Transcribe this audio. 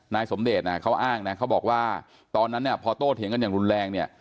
นายสมเดชน์เขาอ้างนะเขาบอกว่าตอนนั้นเนี่ยพอโต้เถียงกันอย่างรุนแรงเนี่ย